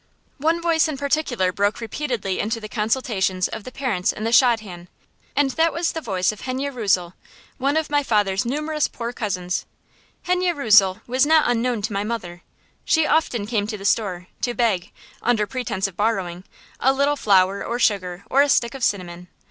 One voice in particular broke repeatedly into the consultations of the parents and the shadchan, and that was the voice of Henne Rösel, one of my father's numerous poor cousins. Henne Rösel was not unknown to my mother. She often came to the store, to beg, under pretence of borrowing, a little flour or sugar or a stick of cinnamon.